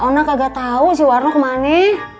ona kagak tahu si warna kemana